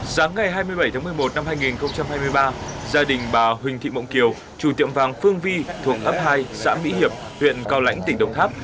sáng ngày hai mươi bảy tháng một mươi một năm hai nghìn hai mươi ba gia đình bà huỳnh thị mộng kiều chủ tiệm vàng phương vi thuộc ấp hai xã mỹ hiệp huyện cao lãnh tỉnh đồng tháp